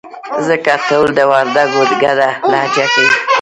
ځکه ټول د وردگو گډه لهجه کوي.